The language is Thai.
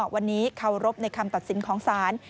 วันนี้เคารพในคำตัดสินของศาล